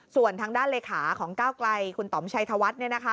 ส่วนทางด้านเลขาของก้าวไกลคุณต่อมชัยธวัฒน์เนี่ยนะคะ